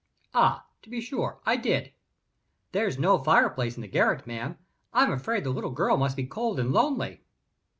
"Ah, to be sure, I did." "There's no fireplace in the garret, ma'am. I'm afraid the little girl must be cold and lonely."